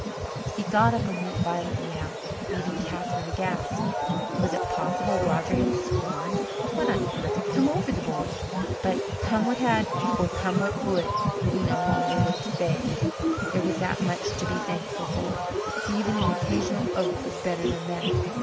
He got up and went violently out, leaving Catherine aghast. Was it possible Roger had sworn? What on earth had come over the b'y? But come what had or come what would, he no longer looked fey there was that much to be thankful for. Even an occasional oath was better than that.